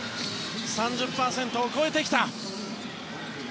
３０％を超えてきた。